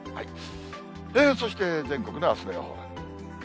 そして全国のあすの予報。